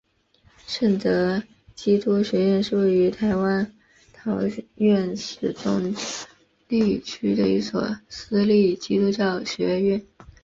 圣德基督学院是位于台湾桃园市中坜区的一所私立基督教学院。